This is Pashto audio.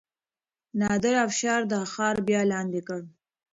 نادر افشار دا ښار بیا لاندې کړ.